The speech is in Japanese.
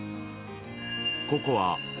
［ここは］